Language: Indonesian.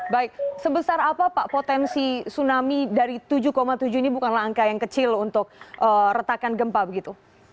baik sebesar apa pak potensi tsunami dari tujuh tujuh ini bukanlah angka yang kecil untuk retakan gempa begitu